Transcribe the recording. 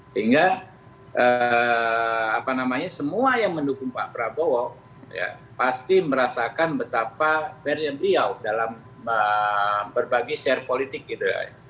sehingga semua yang mendukung pak prabowo pasti merasakan betapa fairnya beliau dalam berbagi share politik gitu